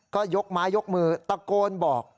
ก็ยกไม้ยกมือตะโกนบอก